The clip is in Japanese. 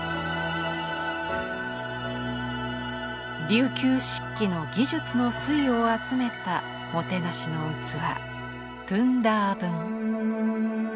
琉球漆器の技術の粋を集めたもてなしの器「東道盆」。